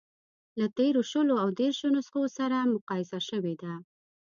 له تېرو شلو او دېرشو نسخو سره مقایسه شوې ده.